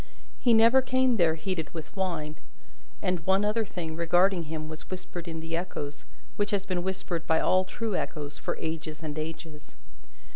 He never came there heated with wine. And one other thing regarding him was whispered in the echoes, which has been whispered by all true echoes for ages and ages.